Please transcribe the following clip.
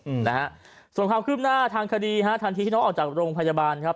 อืมนะฮะส่วนความคืบหน้าทางคดีฮะทันทีที่น้องออกจากโรงพยาบาลครับ